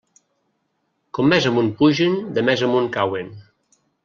Com més amunt pugen, de més amunt cauen.